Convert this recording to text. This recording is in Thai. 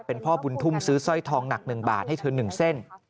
เป็นพ่อบุญทุ่มซื้อสร้อยทองหนัก๑บาทให้เธอ๑เส้น